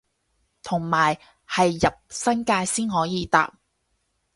同埋係入新界先可以搭